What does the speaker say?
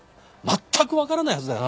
まったく分からないはずだよ。